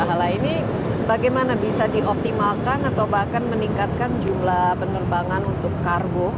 nah ini bagaimana bisa dioptimalkan atau bahkan meningkatkan jumlah penerbangan untuk karbo